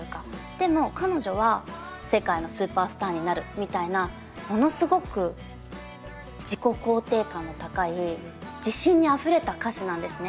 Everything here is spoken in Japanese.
でも彼女は世界のスーパースターになるみたいなものすごく自己肯定感の高い自信にあふれた歌詞なんですね。